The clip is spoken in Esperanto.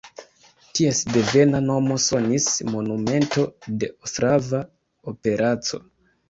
Ties devena nomo sonis Monumento de Ostrava operaco.